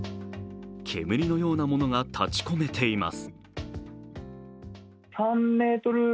煙のようなものが立ち込めています。